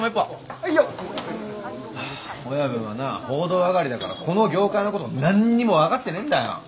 はいよ！はあ親分はな報道上がりだからこの業界のこと何にも分かってねえんだよ。